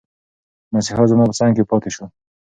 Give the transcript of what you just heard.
مسیحا زما په څنګ کې پاتي شو.